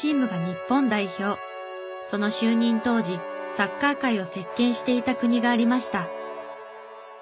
その就任当時サッカー界を席巻していた国がありました。